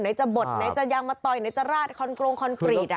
จะบดไหนจะยังมาต่อยไหนจะราดคอนโกรงคอนกรีต